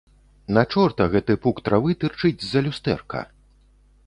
На чорта гэты пук травы тырчыць з-за люстэрка?